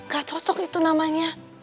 gak cocok itu namanya